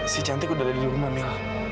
si cantik udah ada di rumah mil